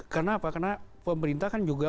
kenapa karena pemerintah kan juga